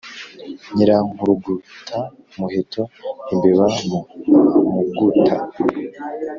nyirankurugutamuheto-imbeba mu muguta.